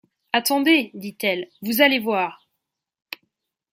Attendez, dit-elle, vous allez voir.